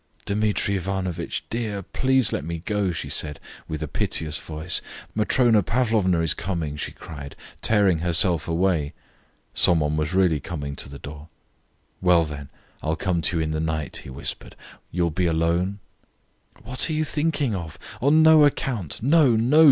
"Dmitri Ivanovitch, dear! please let me go," she said, with a piteous voice. "Matrona Pavlovna is coming," she cried, tearing herself away. Some one was really coming to the door. "Well, then, I'll come to you in the night," he whispered. "You'll be alone?" "What are you thinking of? On no account. No, no!"